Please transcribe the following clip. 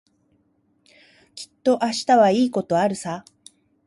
きっと明日はいいことあるさ。